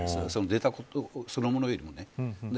出たことそのものよりもね。